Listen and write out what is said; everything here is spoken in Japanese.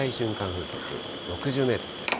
風速６０メートル。